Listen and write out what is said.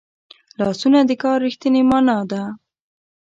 لاسونه د کار رښتینې مانا ده